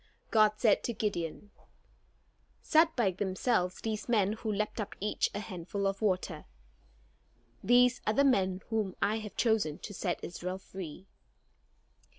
God said to Gideon: "Set by themselves these men who lapped up each a handful of water. These are the men whom I have chosen to set Israel free."